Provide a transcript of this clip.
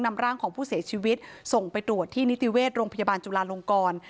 นำร่างของผู้เสียชีวิตส่งไปตรวจที่นิติเวชโรงพยาบาลจุลาลงกร